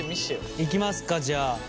いきますかじゃあ。